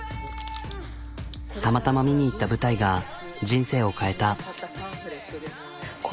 たまたま観にいった舞台が人生を変えた。